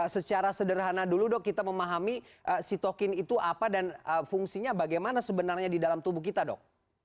secara sederhana dulu dok kita memahami sitokin itu apa dan fungsinya bagaimana sebenarnya di dalam tubuh kita dok